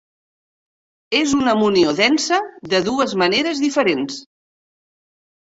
És una munió densa de dues maneres diferents.